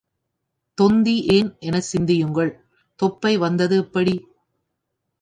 தொந்தி ஏன் என சிந்தியுங்கள் தொப்பை வந்தது எப்படி?